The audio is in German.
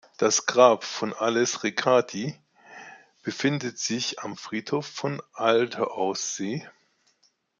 Das Grab von Alice Ricciardi befindet sich am Friedhof von Altaussee.